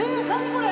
これ。